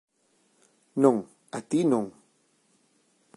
Non, a ti non.